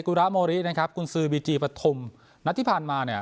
ุระโมรินะครับกุญซือบีจีปฐุมนัดที่ผ่านมาเนี่ย